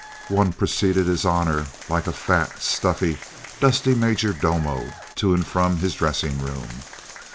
One preceded his honor like a fat, stuffy, dusty majordomo to and from his dressing room.